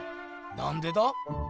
なんでだ？